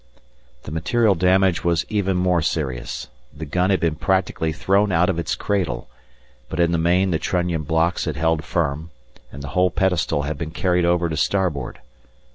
The material damage was even more serious. The gun had been practically thrown out of its cradle, but in the main the trunnion blocks had held firm, and the whole pedestal had been carried over to starboard.